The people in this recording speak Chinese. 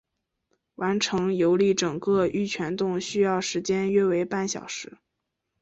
完成游历整个玉泉洞需要时间为约半小时。